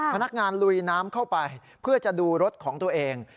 พนักงานลุยน้ำเข้าไปเพื่อจะดูรถของตัวเอง